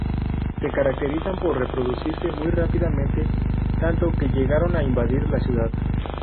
Se caracterizan por reproducirse muy rápidamente, tanto que llegaron a invadir la ciudad.